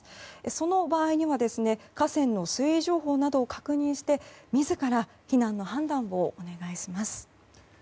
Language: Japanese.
その場合には河川の周囲情報などを確認して自ら避難の判断をお願いします。